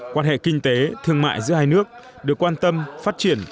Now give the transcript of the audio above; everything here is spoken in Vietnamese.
quan hệ kinh tế thương mại giữa hai nước được quan tâm phát triển